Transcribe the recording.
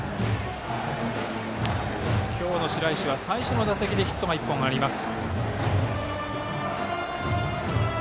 今日の白石は最初の打席でヒットが１本あります。